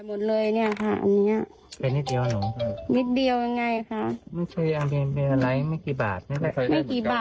หรือว่ามันจำลักคุณตำรวจนี่มันไม่ขนาดไหนค่ะ